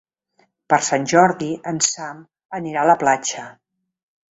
Per Sant Jordi en Sam anirà a la platja.